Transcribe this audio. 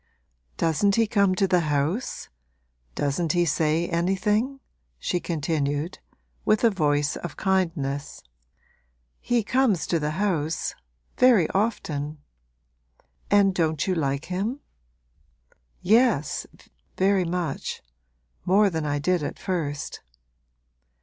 'Doesn't he come to the house doesn't he say anything?' she continued, with a voice of kindness. 'He comes to the house very often.' 'And don't you like him?' 'Yes, very much more than I did at first.'